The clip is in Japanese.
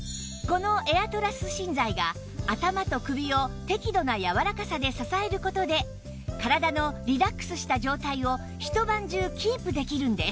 このエアトラス芯材が頭と首を適度な柔らかさで支える事で体のリラックスした状態をひと晩中キープできるんです